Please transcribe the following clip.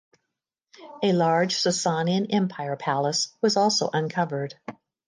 A large Sasanian Empire palace was also uncovered.